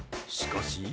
しかし。